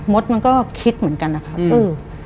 มดมันก็คิดเหมือนกันนะคะ